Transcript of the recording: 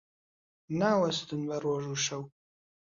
ناوەستن بە ڕۆژ و شەو